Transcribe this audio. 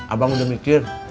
abang udah mikir